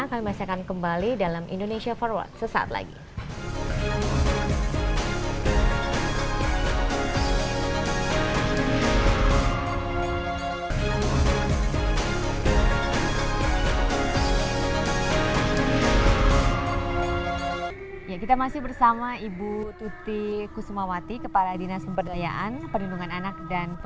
kami masih akan kembali dalam indonesia for work